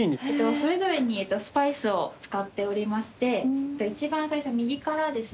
それぞれにスパイスを使っておりまして一番最初右からですね